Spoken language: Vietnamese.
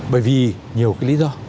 bởi vì nhiều cái lý do